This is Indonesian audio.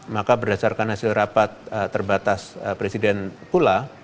maka berdasarkan hasil rapat terbatas presiden pula